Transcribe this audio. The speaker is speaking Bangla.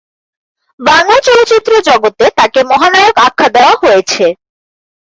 বাংলা চলচ্চিত্রে জগতে তাঁকে 'মহানায়ক' আখ্যা দেওয়া হয়েছে।